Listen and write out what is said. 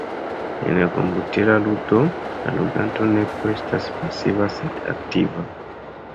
En komputila ludo, la ludanto ne plu estas pasiva sed aktiva.